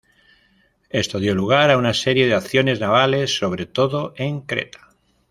Esto dio lugar a una serie de acciones navales, sobre todo en Creta.